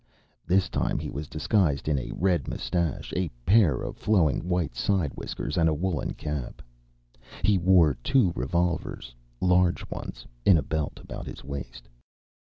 This time he was disguised in a red mustache, a pair of flowing white side whiskers, and a woolen cap. And he wore two revolvers large ones in a belt about his waist.